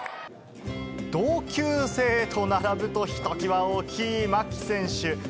同級生と並ぶとひときわ大きい牧選手。